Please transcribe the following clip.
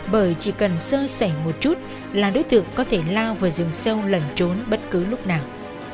bởi chỉ cần sơ sẩy một chút là đối tượng có thể lao vào rừng sâu lẩn trốn bất cứ lúc nào